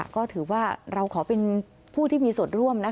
ก็ถือว่าเราขอเป็นผู้ที่มีส่วนร่วม